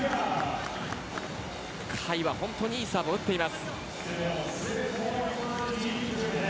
甲斐は本当にいいサーブを打っています。